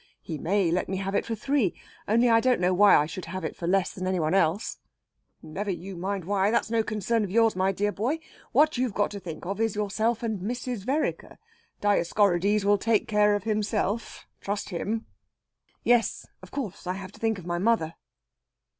He may let me have it for three. Only I don't know why I should have it for less than any one else." "Never you mind why! That's no concern of yours, my dear boy. What you've got to think of is of yourself and Mrs. Vereker. Dioscorides will take care of himself trust him!" "Yes, of course, I have to think of my mother."